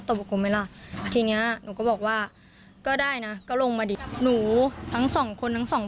อะไรกับเรื่องนี้ไม่ได้จะแจ้งความก็จบกันไปเลยก็ต่างคนต่างอยู่